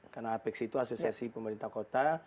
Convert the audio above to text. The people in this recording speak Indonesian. karena apex itu asosiasi pemerintah kota